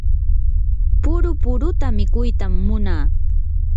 puru puruta mikuytam munaa.